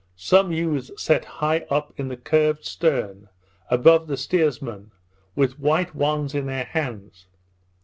Some youths sat high up in the curved stern, above the steersmen, with white wands in their hands.